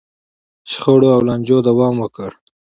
شخړو او لانجو دوام وکړ.